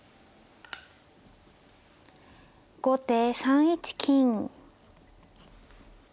後手３一金。